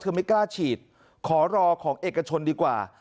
คือไม่กล้าฉีดขอรอของเอกชนดีกว่า